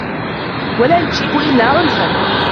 وَلَا يُجِيبُ إلَّا عُنْفًا